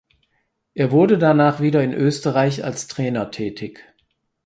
Er wurde danach wieder in Österreich als Trainer tätig.